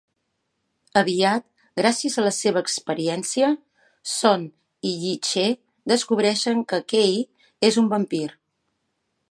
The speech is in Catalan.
Aviat, gràcies a la seva experiència, Son i Yi-Che descobreixen que Kei és un vampir.